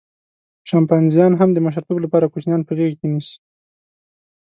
شامپانزیان هم د مشرتوب لپاره کوچنیان په غېږه کې نیسي.